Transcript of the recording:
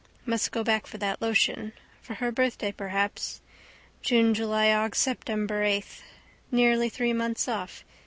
Must go back for that lotion. For her birthday perhaps. Junejulyaugseptember eighth. Nearly three months off.